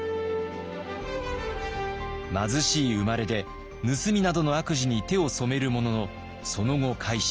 貧しい生まれで盗みなどの悪事に手を染めるもののその後改心。